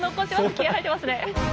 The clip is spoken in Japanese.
気合い入ってますねえ。